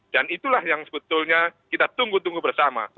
dan itulah yang sebetulnya kita tunggu tunggu bersama